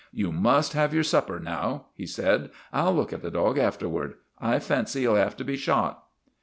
" You must have your supper now," he said. " I '11 look at the dog afterward. I fancy he 'U have to be shot."